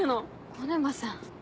小沼さん。